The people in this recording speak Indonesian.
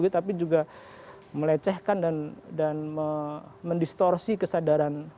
tapi juga melecehkan dan mendistorsi kesadaran